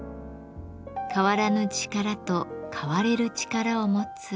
変わらぬ力と変われる力を持つ。